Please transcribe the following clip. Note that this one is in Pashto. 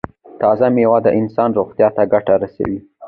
تازه میوه د انسان روغتیا ته ګټه رسوي.